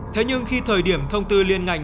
thế nhưng khi thời điểm thông tư liên ngành